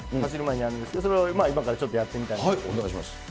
走る前にやるんですけど、今からちょっとやってみたいと思います。